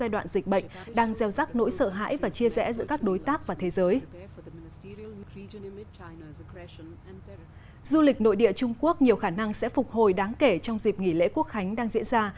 đội địa trung quốc nhiều khả năng sẽ phục hồi đáng kể trong dịp nghỉ lễ quốc khánh đang diễn ra